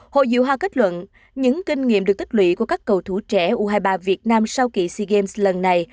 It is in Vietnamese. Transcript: hội diệu hoa kết luận những kinh nghiệm được tích lũy của các cầu thủ trẻ u hai mươi ba việt nam sau kỳ sea games lần này